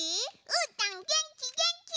うーたんげんきげんき！